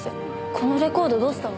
このレコードどうしたの？